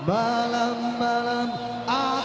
malam malam aku